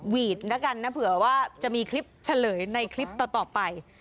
วีดแล้วกันนะเผื่อว่าจะมีคลิปเฉลยในคลิปต่อไป